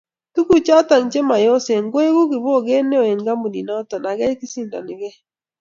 Tuguk chuto chemayosen koegu kiboget ne o eng kampunit noto age kisindonigei